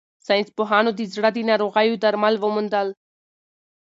ساینس پوهانو د زړه د ناروغیو درمل وموندل.